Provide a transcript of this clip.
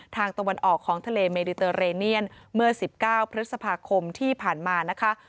ตะวันออกของทะเลเมดิเตอร์เรเนียนเมื่อ๑๙พฤษภาคมที่ผ่านมานะคะ